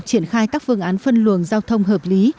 triển khai các phương án phân luồng giao thông hợp lý